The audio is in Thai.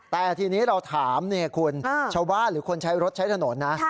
แต่ทีนี้เราถามเนี่ยคุณชาวบ้านหรือคนใช้รถใช้ถนนนะ